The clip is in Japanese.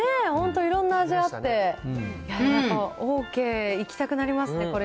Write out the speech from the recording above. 本当、いろんな味あって、オーケー、行きたくなりますね。